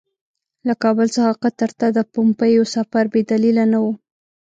له کابل څخه قطر ته د پومپیو سفر بې دلیله نه وو.